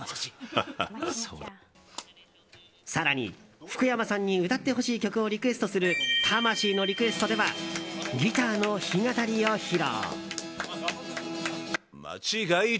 更に、福山さんに歌ってほしい曲をリクエストする魂のリクエストではギターの弾き語りを披露。